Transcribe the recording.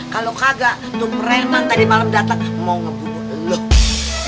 kalau kagak tuk rehman tadi malem datang mau ngebubur lo